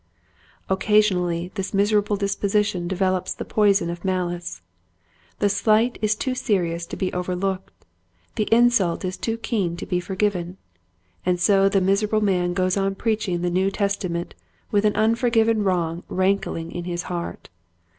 Occasionally this miserable disposition develops the poison of malice. The slight is too serious to be overlooked, the insult is too keen to be forgiven. And so the miserable man goes on preaching the New Testament with an unforgiven wrong rankling in his heart.